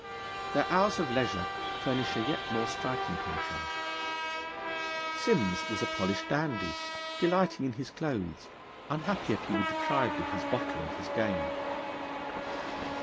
Their hours of leisure furnish a yet more striking contrast. Simms was a polished dandy delighting in his clothes, unhappy if he were deprived of his bottle and his game.